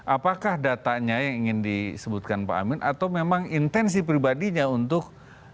apakah datanya yang ingin disebutkan pak amin atau memang intensi pribadinya untuk